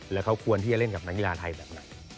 แล้วเขาควรที่จะเล่นกับนักกีฬาไทยแบบไหน